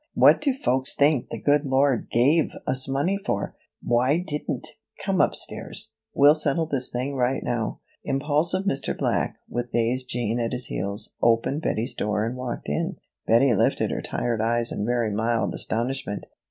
What do folks think the good Lord gave us money for? Why didn't Come upstairs. We'll settle this thing right now." Impulsive Mr. Black, with dazed Jean at his heels, opened Bettie's door and walked in. Bettie lifted her tired eyes in very mild astonishment.